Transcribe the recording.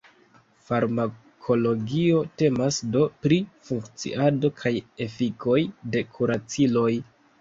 Farmakologio temas do pri funkciado kaj efikoj de kuraciloj.